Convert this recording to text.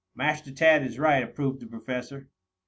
"Master Tad is right," approved the Professor.